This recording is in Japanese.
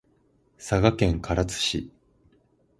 佐賀県唐津市